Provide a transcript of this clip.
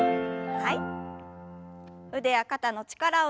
はい。